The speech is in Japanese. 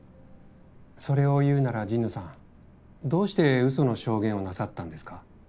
それを言うなら神野さんどうして嘘の証言をなさったんですか？